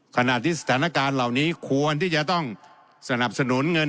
ขณะที่สถานการณ์เหล่านี้ควรที่จะต้องสนับสนุนเงิน